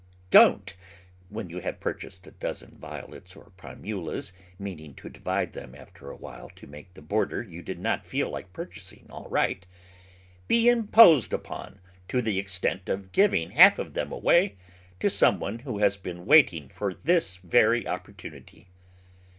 Don't, when you have purchased a dozen Violets or Primulas, meaning to divide them after awhile to make the border you did not feel like purchasing out right, be imposed upon to the extent of giving half of them away to some one who has been waiting for this very opportunity.